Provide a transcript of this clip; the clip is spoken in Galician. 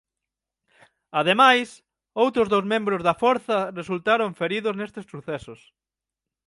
Ademais, outros dous membros da Forza resultaron feridos nestes sucesos.